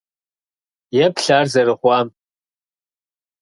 Еплъ ар зэрыхъуам!